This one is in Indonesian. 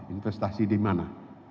investasi di mana